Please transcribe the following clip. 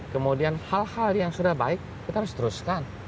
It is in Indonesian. kemudian hal hal yang sudah baik kita harus teruskan